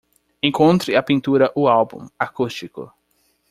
Encontre a pintura O álbum acústico